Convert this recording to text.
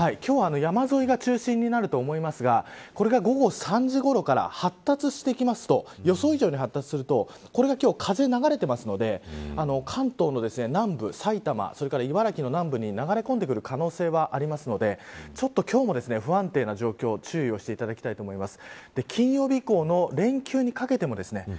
今日は山沿いが中心になると思いますがこれが午後３時ごろから発達してきますと予想以上に発達するとこれが今日、風流れていますので関東の南部埼玉それから茨城の南部に流れ込んでくる可能性はありますのでちょっと今日も、不安定な状況注意をしていただきたいと思います。